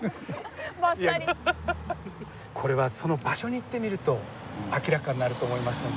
これはその場所に行ってみると明らかになると思いますので。